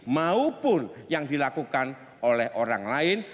maupun yang dilakukan oleh orang lain